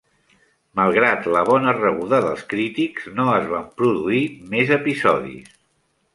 Malgrat la bona rebuda dels crítics, no es van produir més episodis.